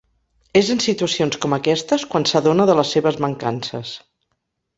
És en situacions com aquestes quan s'adona de les seves mancances.